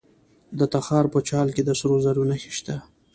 د تخار په چال کې د سرو زرو نښې شته.